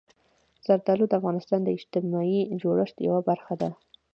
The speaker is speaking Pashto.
زردالو د افغانستان د اجتماعي جوړښت یوه برخه ده.